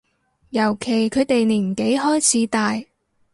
尤其佢哋年紀開始大